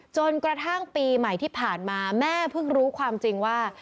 จนกระทั่งปีใหม่ที่ผ่านมาแม่เพิ่งรู้ความจริงว่า